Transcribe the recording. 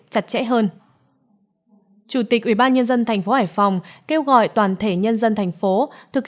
cố gắng dễ hơn chủ tịch ubnd thành phố hải phòng kêu gọi toàn thể nhân dân thành phố thực